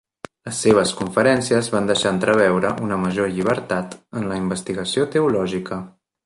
Les seves conferències van deixar entreveure una major llibertat en la investigació teològica.